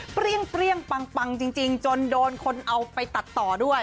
เปรี้ยงปังจริงจนโดนคนเอาไปตัดต่อด้วย